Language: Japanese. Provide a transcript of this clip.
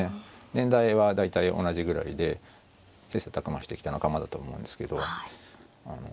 年代は大体同じぐらいで切磋琢磨してきた仲間だと思うんですけど。